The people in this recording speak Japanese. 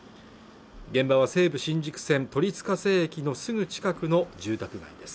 現場は西武新宿線都立家政駅のすぐ近くの住宅街です